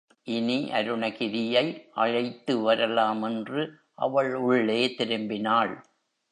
இனி அருணகிரியை அழைத்து வரலாம் என்று அவள் உள்ளே திரும்பினாள்.